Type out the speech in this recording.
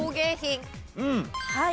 はい。